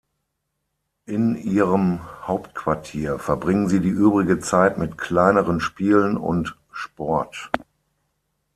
In ihrem "Hauptquartier" verbringen sie die übrige Zeit mit kleineren Spielen und Sport.